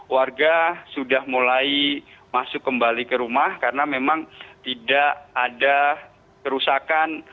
warga sudah mulai masuk kembali ke rumah karena memang tidak ada kerusakan